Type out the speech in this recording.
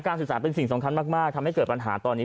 ศึกษาเป็นสิ่งสำคัญมากทำให้เกิดปัญหาตอนนี้